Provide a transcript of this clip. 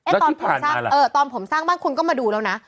แล้วที่ผ่านมาล่ะตอนผมสร้างบ้านคุณก็มาดูแล้วนะ